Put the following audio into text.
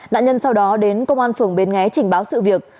nạn nhân sau đó đến công an phường bến nghé trình báo sự việc